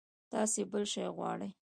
تاسو بل شی غواړئ؟